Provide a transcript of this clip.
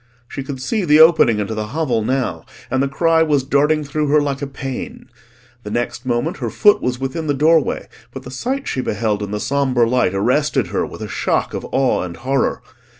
She could see the opening into the hovel now, and the cry was darting through her like a pain. The next moment her foot was within the doorway, but the sight she beheld in the sombre light arrested her with a shock of awe and horror.